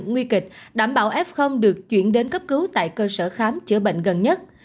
nguy kịch đảm bảo f được chuyển đến cấp cứu tại cơ sở khám chữa bệnh gần nhất